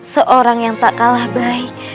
seorang yang tak kalah baik